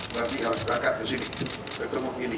jadi mas bowo berarti harus berangkat ke sini